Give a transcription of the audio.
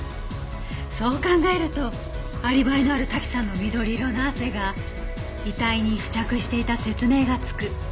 そう考えるとアリバイのある滝さんの緑色の汗が遺体に付着していた説明がつく。